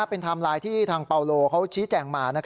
เป็นไทม์ไลน์ที่ทางเปาโลเขาชี้แจงมา